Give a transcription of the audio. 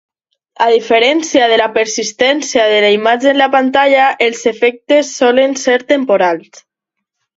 A diferència de la persistència de la imatge en la pantalla, els efectes solen ser temporals.